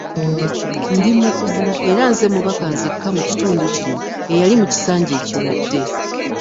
Ndi mukugu era nze mubaka nzekka mu kitundu kino eyali mu kisanja ekiwedde